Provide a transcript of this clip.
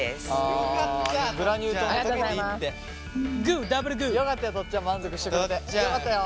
よかったよ